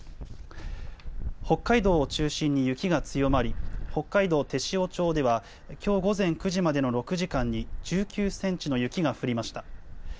北海道を中心に雪が強まり、北海道天塩町では、きょう午前９時までの６時間に、１９センチの雪が降りました。